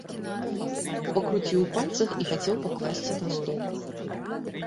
Пакруціў у пальцах і хацеў пакласці на стол.